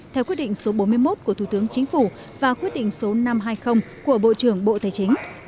theo quyết định số bốn mươi một của thủ tướng chính phủ và quyết định số năm trăm hai mươi của bộ trưởng bộ tài chính